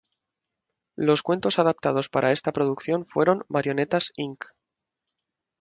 Los cuentos adaptados para esta producción fueron "Marionetas, Inc.